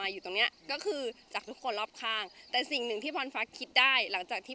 อยู่ตรงเนี้ยก็คือจากทุกคนรอบข้างแต่สิ่งหนึ่งที่พรฟักคิดได้หลังจากที่